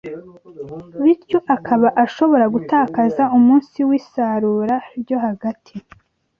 bityo akaba ashobora gutakaza umunsi W'isarura ryo hagati